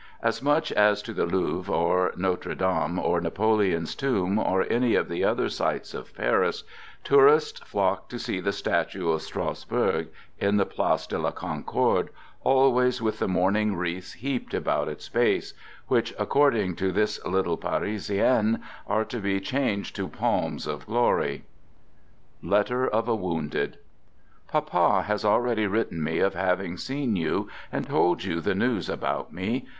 As much as to the Louvre or Notre Dame or Napoleon's tomb, or any of the other sights of Paris, tourists flock to see the statue of Strasbourg in the Place de la Concorde, always with the mourn ing wreaths heaped about its base — which, accord ing to this little Parisian, are to be changed to palms of glory: Papa has already written me of having seen you and told you the news about me.